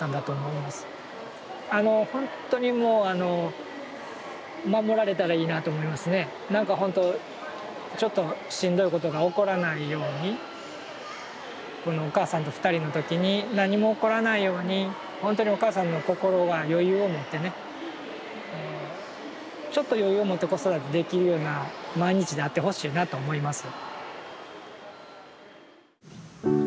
あのほんとにもうあのなんかほんとちょっとしんどいことが起こらないようにお母さんと２人の時に何も起こらないようにほんとにお母さんの心が余裕を持ってねちょっと余裕を持って子育てできるような毎日であってほしいなと思います。